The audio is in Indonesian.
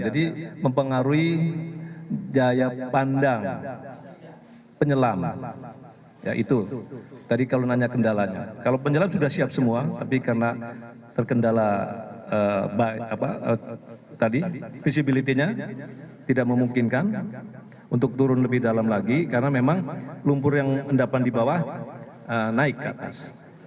jadi mempengaruhi jaya pandang penyelaman ya itu tadi kalau nanya kendalanya kalau penyelam sudah siap semua tapi karena terkendala tadi visibility nya tidak memungkinkan untuk turun lebih dalam lagi karena memang lumpur yang mendapan di bawah naik ke atas